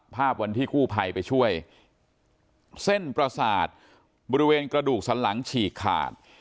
ภาพวันที่กู้ภัยไปช่วยเส้นประสาทบริเวณกระดูกสันหลังฉีกขาด